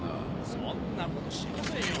そんなことしませんよ。